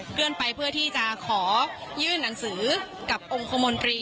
เลื่อนไปเพื่อที่จะขอยื่นหนังสือกับองค์คมนตรี